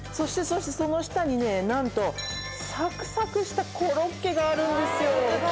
そしてその下にね何とサクサクしたコロッケがあるんですよ